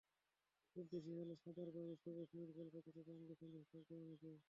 খুব বেশি হলে সাদার বাইরে সবুজ, নীল, গোলাপিতে রাঙিয়ে সন্তুষ্ট থাকতেন অনেকেই।